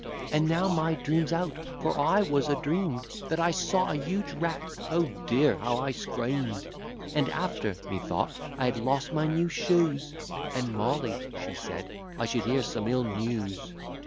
And now my dream's out; for I was a dream'd That I saw a huge rat O dear, how I scream'd! And after, methought, I had lost my new shoes; And Molly, she said, I should hear some ill news.